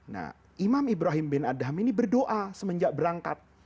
nah imam ibrahim bin adam ini berdoa semenjak berangkat